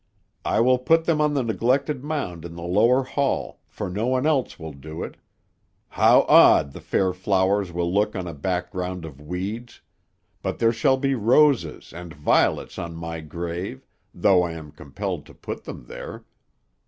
"'I will put them on the neglected mound in the lower hall, for no one else will do it. How odd the fair flowers will look on a background of weeds; but there shall be roses and violets on my grave, though I am compelled to put them there.